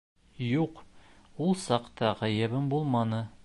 Юҡ, ул саҡта ғәйебем булманы.